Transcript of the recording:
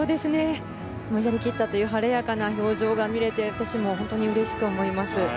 やり切ったという晴れやかな表情が見られて私も本当にうれしく思います。